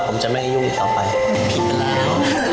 ผมจะไม่ให้ยุ่งเขาไปผิดเวลา